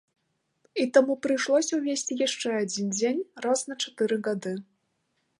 І таму прыйшлося ўвесці яшчэ адзін дзень раз на чатыры гады.